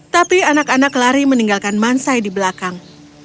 tapi anak anak lari meninggalkan mansai di belakang